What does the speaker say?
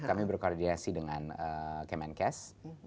kami berkoordinasi dengan kemenkes